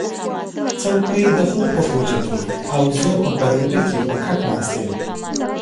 څوکی د خوب کوټه کې او زه په برنډه کې په کټ ناست یم